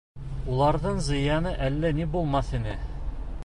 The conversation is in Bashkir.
Уларҙың зыяны әллә ни булмаҫ ине.